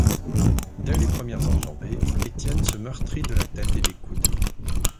Dès les premières enjambées, Étienne se meurtrit de la tête et des coudes.